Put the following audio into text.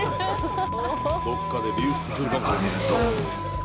「どっかで流出するかも」